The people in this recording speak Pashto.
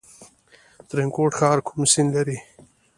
ترینکوټ ښار کوم سیند لري؟